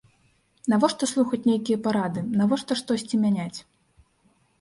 Навошта слухаць нейкія парады, навошта штосьці мяняць?